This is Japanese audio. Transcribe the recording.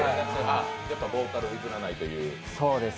やっぱボーカルは譲らないという、センター。